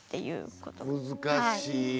難しい。